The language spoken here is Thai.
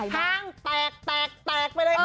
ห้างแตกแตกแตกไปเลย